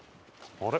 あれ？